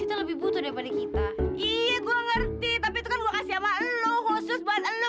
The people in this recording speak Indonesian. itu lebih butuh daripada kita iya gua ngerti tapi itu kan gua kasih sama lu khusus buat lu